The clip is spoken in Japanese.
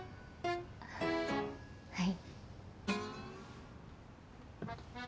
はい。